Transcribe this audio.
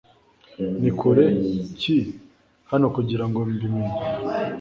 Ni kure ki hano kugirango mbi menye